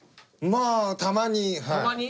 まあたまにはい。